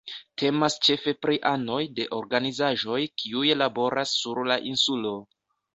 Temas ĉefe pri anoj de organizaĵoj kiuj laboras sur la insulo.